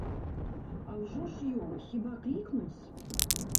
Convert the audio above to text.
А ўжо ж ён, хіба клікнуць?